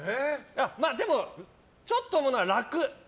まあでも、ちょっと思うのは楽。